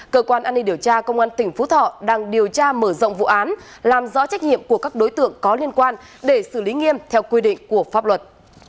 cơ quan an ninh điều tra công an tỉnh phú thọ đang điều tra mở rộng vụ án làm rõ trách nhiệm của các đối tượng có liên quan để xử lý nghiêm theo quy định của pháp luật